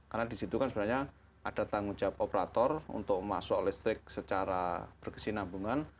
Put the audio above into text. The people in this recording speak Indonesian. karena di situ kan sebenarnya ada tanggung jawab operator untuk masuk listrik secara berkesinambungan